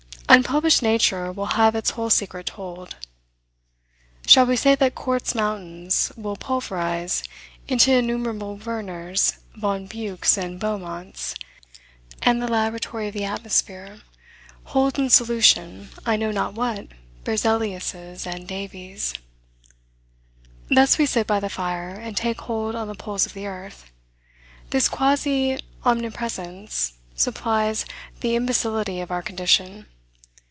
Unpublished nature will have its whole secret told. Shall we say that quartz mountains will pulverize into innumerable Werners, Von Buchs, and Beaumonts; and the laboratory of the atmosphere holds in solution I know not what Berzeliuses and Davys? Thus, we sit by the fire, and take hold on the poles of the earth. This quasi omnipresence supplies the imbecility of our condition.